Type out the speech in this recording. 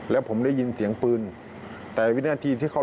ทั้งไกลผมไม่ได้เห็น